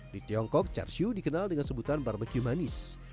di tiongkok char siu dikenal dengan sebutan barbeque manis